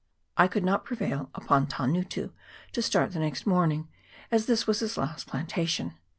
I could not prevail upon Tangutu to start the next morning, as this was his last plantation.